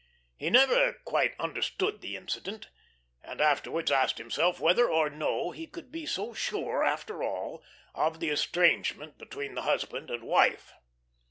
He never quite understood the incident, and afterwards asked himself whether or no he could be so sure, after all, of the estrangement between the husband and wife.